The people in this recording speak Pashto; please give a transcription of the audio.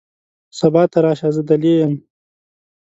سبا ته راشه ، زه دلې یم .